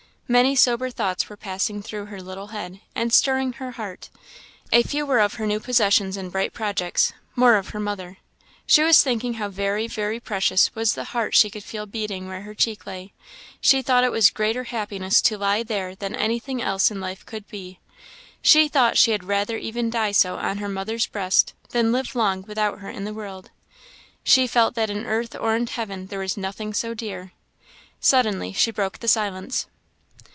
Many sober thoughts were passing through her little head, and stirring her heart; a few were of her new possessions and bright projects more of her mother. She was thinking how very, very precious was the heart she could feel beating where her cheek lay she thought it was greater happiness to lie there than anything else in life could be she thought she had rather even die so, on her mother's breast, than live long without her in the world she felt that in earth or in heaven there was nothing so dear. Suddenly she broke the silence.